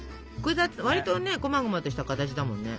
わりとねこまごまとした形だもんね。